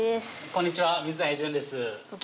こんにちは水谷隼です